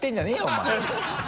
お前。